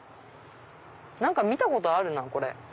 何か見たことあるなぁ。